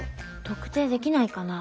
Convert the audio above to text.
特定できないかな？